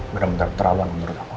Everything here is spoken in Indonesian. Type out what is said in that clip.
benar benar terlalu anggun menurut aku